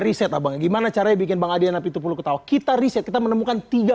riset abang gimana caranya bikin bang adian apitupuluh ketawa kita riset kita menemukan tiga